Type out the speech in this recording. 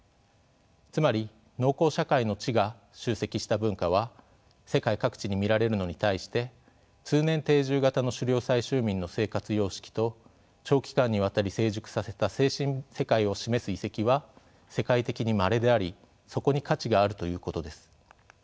つまり農耕社会の知が集積した文化は世界各地に見られるのに対して通年定住型の狩猟採集民の生活様式と長期間にわたり成熟させた精神世界を示す遺跡は世界的にまれでありそこに価値があるということです。